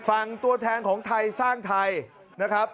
ตัวแทนของไทยสร้างไทยนะครับ